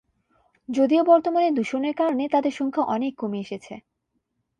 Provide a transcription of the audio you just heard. যদিও বর্তমানে দূষণের কারণে তাদের সংখ্যা অনেক কমে এসেছে।